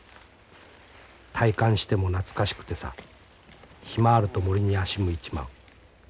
退官しても懐かしくてさ暇あると森に足向いちまう。